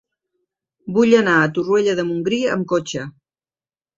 Vull anar a Torroella de Montgrí amb cotxe.